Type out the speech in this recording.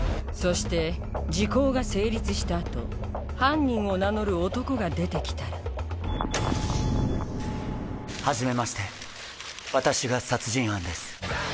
そして時効が成立した後犯人を名乗る男が出て来たらはじめまして私が殺人犯です。